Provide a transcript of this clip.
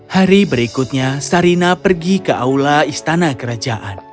hari berikutnya sarina pergi ke aula istana kerajaan